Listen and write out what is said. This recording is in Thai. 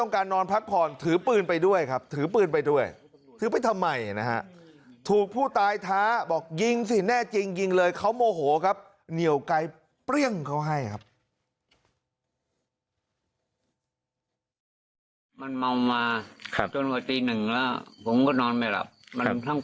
มันมองมาครับจนกว่าตีหนึ่งแล้วผมก็นอนไม่หลับมันทั้ง